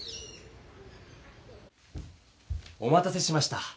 おまたせしました。